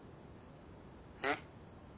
うん？